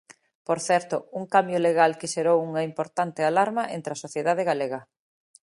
Por certo, un cambio legal que xerou unha importante alarma entre a sociedade galega.